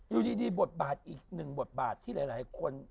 อยู่ดีบทบาทอีกหนึ่งบทบาทที่หลายคน